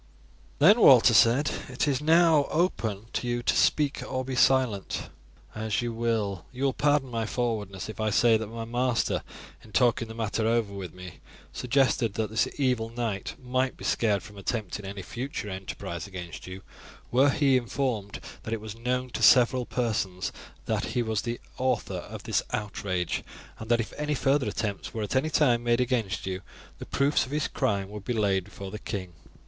"Then," Walter said, "it is now open to you to speak or be silent as you will. You will pardon my forwardness if I say that my master, in talking the matter over with me, suggested that this evil knight might be scared from attempting any future enterprise against you were he informed that it was known to several persons that he was the author of this outrage, and that if any further attempts were at any time made against you, the proofs of his crime would be laid before the king."